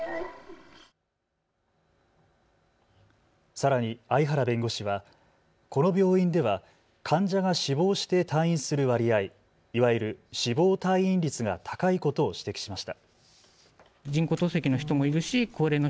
さらに相原弁護士はこの病院では患者が死亡して退院する割合、いわゆる死亡退院率が高いことを指摘しました。